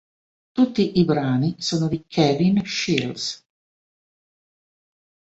Tutti i brani sono di Kevin Shields.